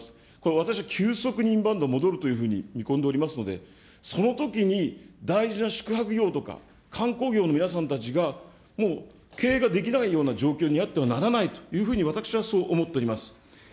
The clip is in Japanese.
私、急速にインバウンド戻るというふうに見込んでおりますので、そのときに大事な宿泊業とか、観光業の皆さんたちが、もう、経営ができないような状況にあってはならないというふうに、私はそう思っております。